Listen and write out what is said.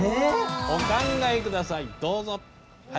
お考え下さいどうぞ。